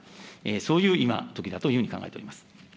そういう今、ときだというふうに考えております。